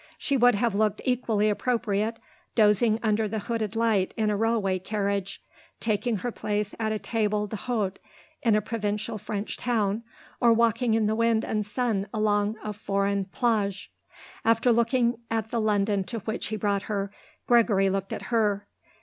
She would have looked equally appropriate dozing under the hooded light in a railway carriage, taking her place at a table d'hôte in a provincial French town, or walking in the wind and sun along a foreign plage. After looking at the London to which he brought her, Gregory looked at her.